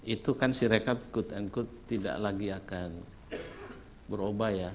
itu kan syrakab good and good tidak lagi akan berubah ya